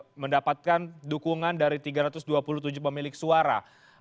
untuk mendapatkan dukungan dari tiga ratus dua puluh tujuh pemilik suara